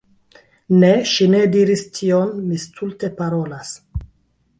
Ne, ŝi ne diris tion, mi stulte parolas.